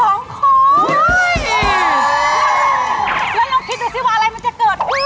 แล้วลองคิดดูสิว่าอะไรมันจะเกิดขึ้น